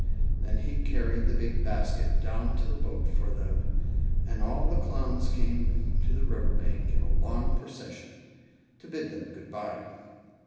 Then he carried the big basket down to the boat for them, and all the Clowns came to the river bank in a long procession, to bid them good bye.